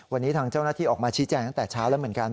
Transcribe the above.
วันนี้ทางเจ้าหน้าที่ออกมาชี้แจงตั้งแต่เช้าแล้วเหมือนกัน